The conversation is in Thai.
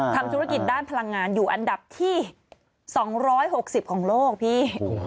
ทำธุรกิจด้านพลังงานอยู่อันดับที่๒๖๐ของโลกพี่